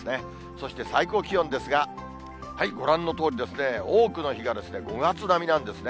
そして最高気温ですが、ご覧のとおりですね、多くの日が５月並みなんですね。